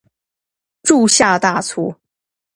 鑄下大錯